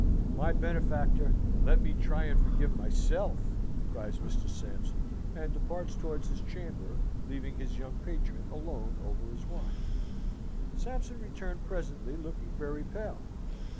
"My benefactor, let me try and forgive myself!" cries Mr. Sampson, and departed towards his chamber, leaving his young patron alone over his wine. Sampson returned presently, looking very pale.